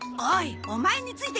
おい！